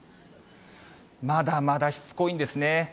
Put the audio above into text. まだまだしつこいんですね。